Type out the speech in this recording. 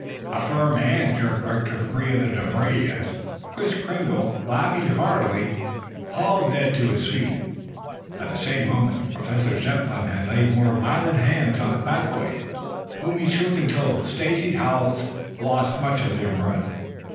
A firm hand jerked Rector free of the debris as Kris Kringle laughing heartily hauled Ned to his feet. At the same moment Professor Zepplin had laid more violent hands on the fat boy, whom he shook until Stacy's howls lost much of their mirth.